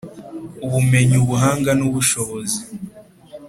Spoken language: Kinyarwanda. Ubumenyi ubuhanga n ubushobozi